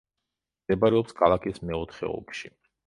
მდებარეობს ქალაქის მეოთხე ოლქში.